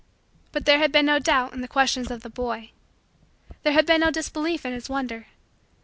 But there had been no doubt in the questions of the boy. There had been no disbelief in his wonder.